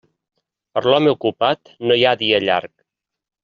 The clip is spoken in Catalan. Per l'home ocupat, no hi ha dia llarg.